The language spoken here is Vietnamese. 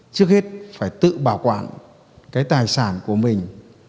trước hết phải tự bảo quản cái tài sản của mình